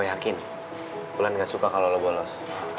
gue yakin ulan gak suka kalau lo bolos